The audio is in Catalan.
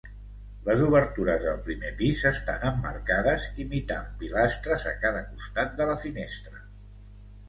Les obertures del primer pis estan emmarcades, imitant pilastres a cada costat de la finestra.